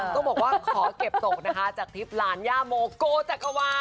ต้องบอกว่าขอเก็บตกนะคะจากคลิปหลานย่าโมโกจักรวา